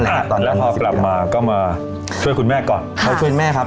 แล้วพอกลับมาก็มาช่วยคุณแม่ก่อนค่ะช่วยแม่ครับ